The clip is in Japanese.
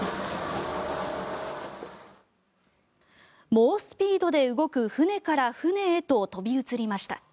猛スピードで動く船から船へと飛び移りました。